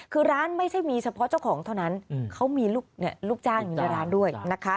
คือร้านไม่ใช่มีเฉพาะเจ้าของเท่านั้นเขามีลูกจ้างอยู่ในร้านด้วยนะคะ